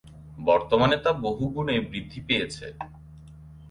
বর্তমানে তা বহুগুণে বৃদ্ধি পেয়েছে।